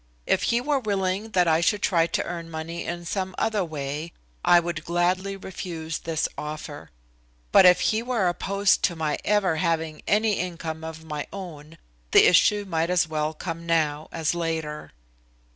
If he were willing that I should try to earn money in some other way I would gladly refuse this offer. But if he were opposed to my ever having any income of my own the issue might as well come now as later.